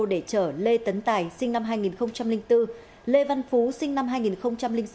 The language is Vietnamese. để chở lê tấn tài sinh năm hai nghìn bốn lê văn phú sinh năm hai nghìn sáu